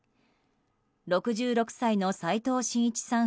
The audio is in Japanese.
６６歳の齋藤真一さん